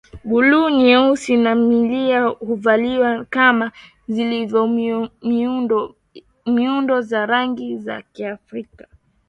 Bluu nyeusi na milia huvaliwa kama zilivyo miundo na rangi za Kiafrika